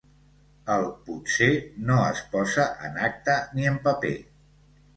El «potser» no es posa en acta ni en paper.